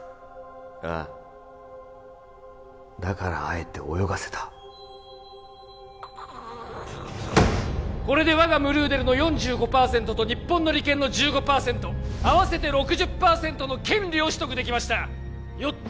ああだからあえて泳がせたこれで我がムルーデルの４５％と日本の利権の１５％あわせて６０％の権利を取得できましたよって